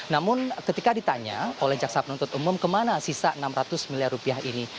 namun ketika ditanya oleh jaksa penuntut mum ke mana sisa rp enam ratus miliar ini